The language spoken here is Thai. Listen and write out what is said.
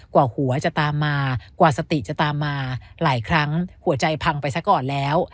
กว่าหัวจะตามมากว่าสติจะตามมาหลายครั้งหัวใจพังไปซะก่อนแล้ว